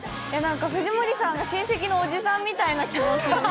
藤森さんが親戚のおじさんみたいな気持ちで。